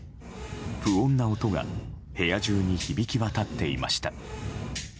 不穏な音が部屋中に響き渡っていました。